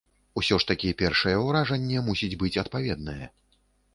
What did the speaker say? Усё ж такі першае ўражанне мусіць быць адпаведнае.